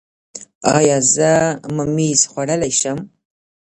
ایا زه ممیز خوړلی شم؟